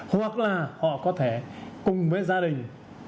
hoặc là họ có thể cùng với gia đình